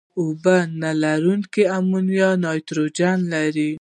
اوبه نه لرونکي امونیا نایتروجن لري.